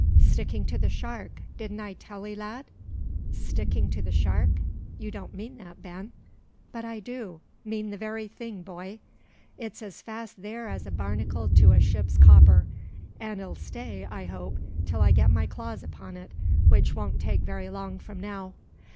"Sticking to the shark, didn't I tell 'ee, lad!" "Sticking to the shark? You don't mean that, Ben?" "But I do mean that very thing, boy. It's as fast theer as a barnacle to a ship's copper; an' 'll stay, I hope, till I get my claws upon it, which won't take very long from now.